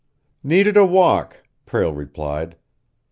"Needed a walk," Prale replied.